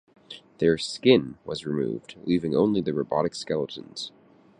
Their "skin" was removed, leaving only the robotic skeletons.